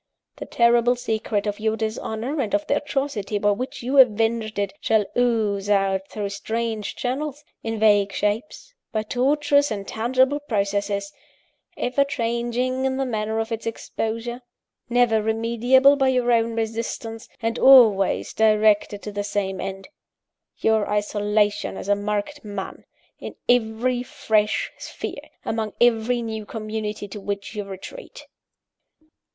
The terrible secret of your dishonour, and of the atrocity by which you avenged it, shall ooze out through strange channels, in vague shapes, by tortuous intangible processes; ever changing in the manner of its exposure, never remediable by your own resistance, and always directed to the same end your isolation as a marked man, in every fresh sphere, among every new community to which you retreat.